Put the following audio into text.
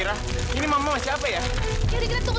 leni mama papa sudah menunggu